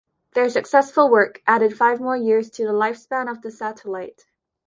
Their successful work added five more years to the lifespan of the satellite.